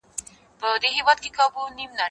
زه پرون چای څښم!.